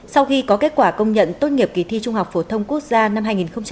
sau khi có kết quả công nhận tốt nghiệp kỳ thi trung học phổ thông quốc gia năm hai nghìn hai mươi